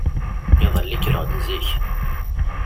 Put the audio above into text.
Iḍelli kkreɣ-d zik.